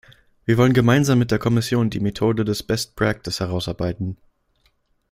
Wir wollen gemeinsam mit der Kommission die Methode des best practice herausarbeiten.